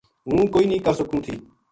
ہوں کوئی نیہہ کر سکوں تھی